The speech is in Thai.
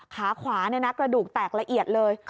ขาขวาเนี่ยนะกระดูกแตกละเอียดเลย